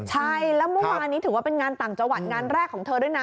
ใช่แล้วเมื่อวานนี้ถือว่าเป็นงานต่างจังหวัดงานแรกของเธอด้วยนะ